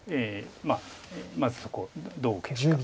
まずそこをどう受けるか。